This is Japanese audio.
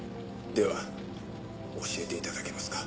では教えていただけますか？